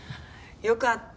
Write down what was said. よかった。